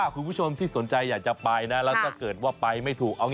เป็นอย่างไรน่ากินไหม